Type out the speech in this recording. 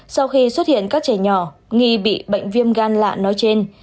sau khi xuất hiện các trẻ nhỏ nghi bị bệnh viêm gan